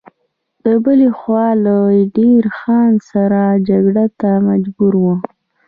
له بلې خوا له دیر خان سره جنګ ته مجبور و.